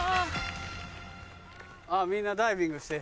あっみんなダイビングして。